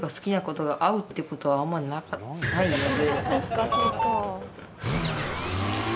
そうかそうか。